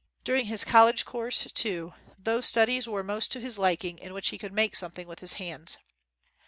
During his college course, too, those studies were most to his liking in which he could make something with his hands.